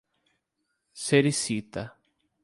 Sericita